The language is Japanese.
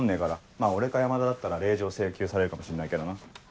まぁ俺か山田だったら令状請求されるかもしんないけどな。